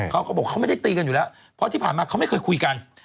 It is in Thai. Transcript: เขาก็บอกเขาไม่ได้ตีกันอยู่แล้วเพราะที่ผ่านมาเขาไม่เคยคุยกัน